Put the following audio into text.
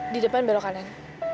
di depan belok kanan